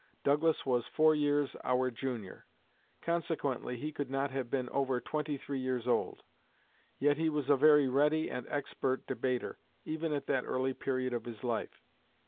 Douglas was four years our junior; consequently he could not have been over twenty three years old. Yet he was a very ready and expert debater, even at that early period of his life.